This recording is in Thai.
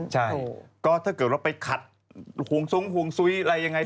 ใช่ก็ถ้าเกิดว่าไปขัดห่วงทรงห่วงซุ้ยอะไรยังไง